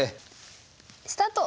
スタート！